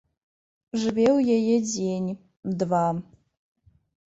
Жыве ў яе дзень, два.